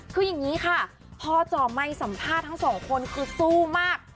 คืออย่างนี้ค่ะพ่อจ่อไมค์สัมภาษณ์ทั้งสองคนคือสู้มาก